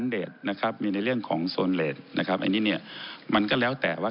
เดทนะครับมีในเรื่องของโซนเลสนะครับอันนี้เนี่ยมันก็แล้วแต่ว่า